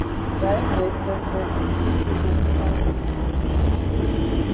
Director yi sef sef take we go for party.